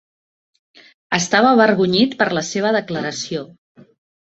Estava avergonyit per la seva declaració.